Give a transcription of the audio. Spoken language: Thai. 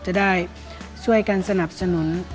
จะได้ช่วยกันสนับสนุน